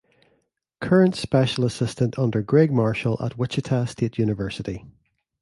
Current special assistant under Gregg Marshall at Wichita State University.